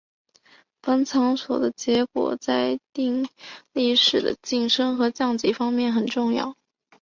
本场所的结果在确定力士的晋升和降级方面很重要。